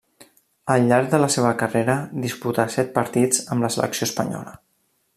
Al llarg de la seva carrera disputà set partits amb la selecció espanyola.